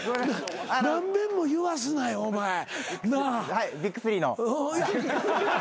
はいＢＩＧ３の。